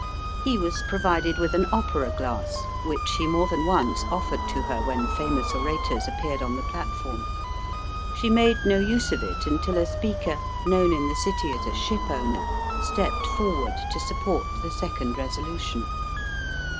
He was provided with an opera glass, which he more than once offered to her when famous orators appeared on the platform. She made no use of it until a speaker, known in the City as a ship owner, stepped forward to support the second resolution.